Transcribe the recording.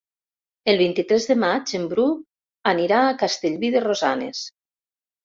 El vint-i-tres de maig en Bru anirà a Castellví de Rosanes.